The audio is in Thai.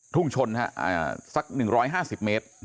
ทุ่งชนสัก๑๕๐เมตร